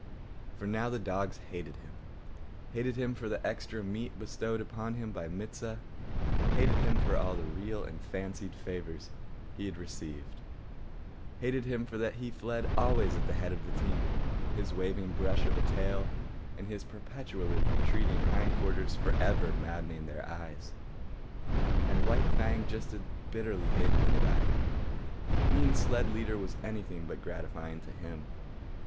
For now the dogs hated him—hated him for the extra meat bestowed upon him by Mit sah; hated him for all the real and fancied favours he received; hated him for that he fled always at the head of the team, his waving brush of a tail and his perpetually retreating hind quarters for ever maddening their eyes. And White Fang just as bitterly hated them back. Being sled leader was anything but gratifying to him.